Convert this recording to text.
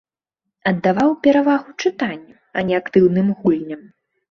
Аддаваў перавагу чытанню, а не актыўным гульням.